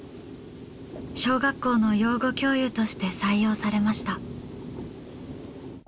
小学校の養護教諭として採用されました。